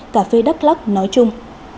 cà phê đắk lắc nói chung